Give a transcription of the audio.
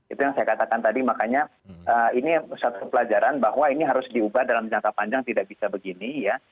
itu yang saya katakan tadi makanya ini satu pelajaran bahwa ini harus diubah dalam jangka panjang tidak bisa begini ya